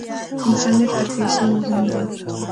انسانیت تر پیسو مهم دی.